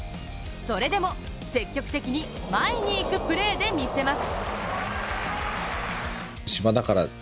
それでも積極的に前に行くプレーでみせます。